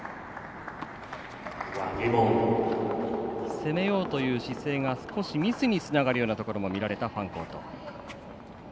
攻めようという姿勢が少しミスにつながるところも見られたファンコート。